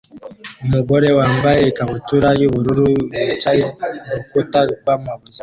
Umugore wambaye ikabutura yubururu yicaye ku rukuta rwamabuye